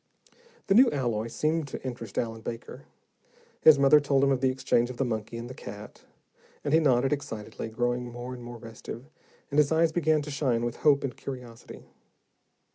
The new alloy seemed to interest Allen Baker. His mother told him of the exchange of the monkey and the cat, and he nodded excitedly, growing more and more restive, and his eyes began to shine with hope and curiosity.